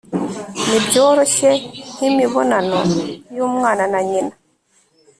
Nibyoroshye nkimibonano yumwana na nyina